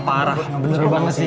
parah bener banget sih